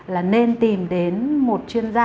là nên tìm đến một chuyên gia